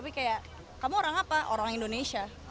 tapi kayak kamu orang apa orang indonesia